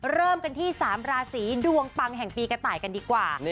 เริ่มกันที่๓ราศีดวงปังแห่งปีกระต่ายกันดีกว่า